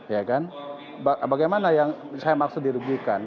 ya kan bagaimana yang saya maksud dirugikan